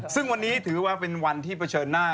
ซึ่งวันนี้ถือว่าเป็นวันที่เผชิญหน้า